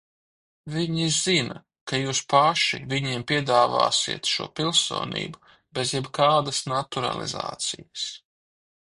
Viņi zina, ka jūs paši viņiem piedāvāsiet šo pilsonību bez jebkādas naturalizācijas.